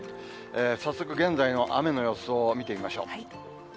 早速、現在の雨の様子を見てみましょう。